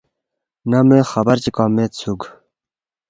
نہ موے خبر چی کوا میدسُوک